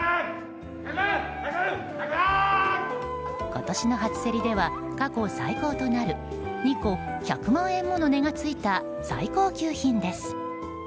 今年の初競りでは過去最高となる２個１００万円もの値がついた最高級品です。